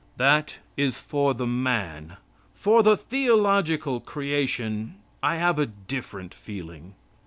That is for the man. For the theological creation I have a different feeling.